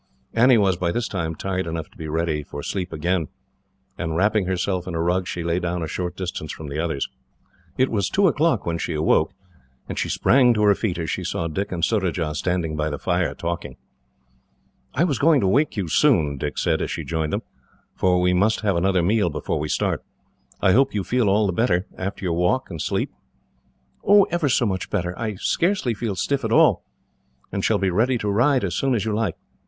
Annie was, by this time, tired enough to be ready for sleep again, and, wrapping herself in a rug, she lay down at a short distance from the others. It was two o'clock when she awoke, and she sprang to her feet as she saw Dick and Surajah standing by the fire, talking. "I was going to wake you soon," Dick said, as she joined them, "for we must have another meal before we start. I hope you feel all the better, after your walk and sleep?" "Ever so much better. I scarcely feel stiff at all, and shall be ready to ride, as soon as you like.